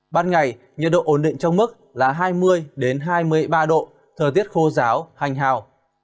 ban ngày nhiệt độ ổn định trong mức là hai mươi hai mươi ba độ thời tiết khô ráo hành hào